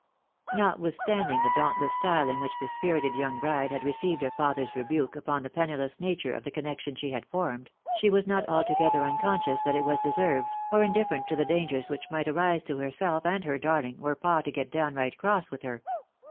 Notwithstanding the dauntless style j.n which the spirited young bride had received her father's rebuke upon the penniless nature of the connection she had formed, she was not altogether unconscious that it was deserved, or indifferent to the dangers which might arise to herself and her " darling," were pa to get downright cross with her.